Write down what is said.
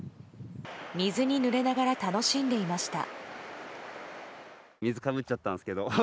水にぬれながら楽しんでいました。